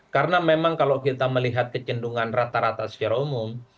karena memang kalau kita melihat kecendungan rata rata secara otomatis